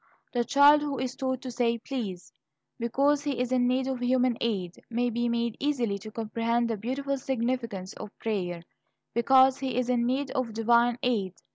The child who is taught to say "please" because he is in need of human aid, may be made easily to comprehend the beautiful significance of prayer, because he is in need of divine aid.